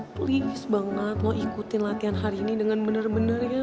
please banget lo ikutin latihan hari ini dengan bener bener ya